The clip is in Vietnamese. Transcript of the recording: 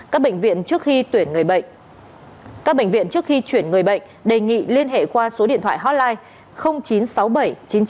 các bệnh viện trước khi chuyển người bệnh đề nghị liên hệ qua số điện thoại hotline chín trăm sáu mươi bảy chín mươi chín một nghìn sáu trăm một mươi sáu